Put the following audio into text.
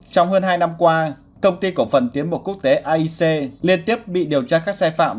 trong hơn hai năm qua công ty cổ phần tiến bộ quốc tế aic liên tiếp bị điều tra các sai phạm